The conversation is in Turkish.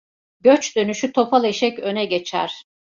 Göç dönüşü topal eşek öne geçer.